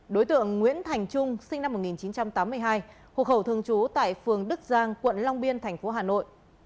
đối tượng nguyễn thành trung sinh năm một nghìn chín trăm tám mươi hai hộ khẩu thường trú tại phường đức giang quận long biên tp hà nội